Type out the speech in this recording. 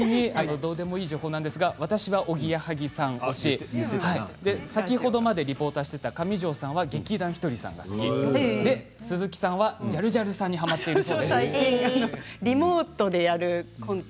どうでもいい情報ですが私は、おぎやはぎさん推しです先ほどまでリポーターをしていた上條さんは劇団ひとりで鈴木さんはジャルジャルにはまっていると。